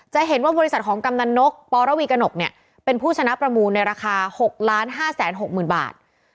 จะเห็นว่าบริษัทของกำนันนกปรวีกระหนกเนี่ยเป็นผู้ชนะประมูลในราคา๖๕๖๐๐๐บาท